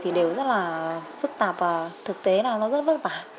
thì đều rất là phức tạp và thực tế là nó rất vất vả